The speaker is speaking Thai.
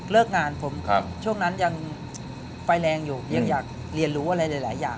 งานผมช่วงนั้นยังไฟแรงอยู่ยังอยากเรียนรู้อะไรหลายอย่าง